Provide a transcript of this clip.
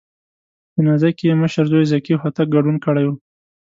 په جنازه کې یې مشر زوی ذکي هوتک ګډون کړی و.